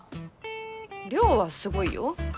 稜はすごいよ。